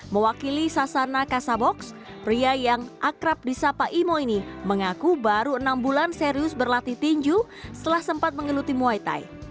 mewakili sasana kasabox pria yang akrab di sapa imo ini mengaku baru enam bulan serius berlatih tinju setelah sempat mengeluti muay thai